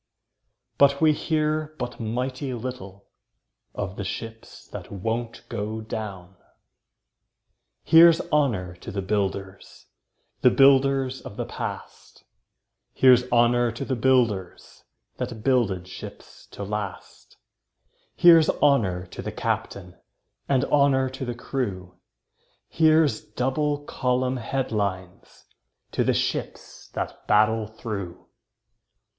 But we hear but mighty little Of the ships that won't go down. Here's honour to the builders – The builders of the past; Here's honour to the builders That builded ships to last; Here's honour to the captain, And honour to the crew; Here's double column headlines To the ships that battle through.